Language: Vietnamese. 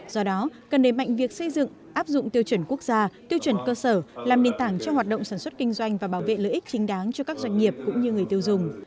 do đó cần đề mạnh việc xây dựng áp dụng tiêu chuẩn quốc gia tiêu chuẩn cơ sở làm nền tảng cho hoạt động sản xuất kinh doanh và bảo vệ lợi ích chính đáng cho các doanh nghiệp cũng như người tiêu dùng